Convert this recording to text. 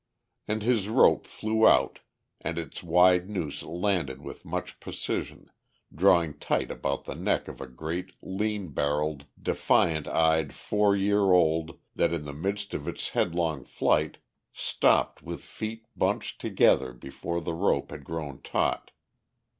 And his rope flew out and its wide noose landed with much precision, drawing tight about the neck of a great, lean barrelled, defiant eyed four year old that in the midst of its headlong flight stopped with feet bunched together before the rope had grown taut.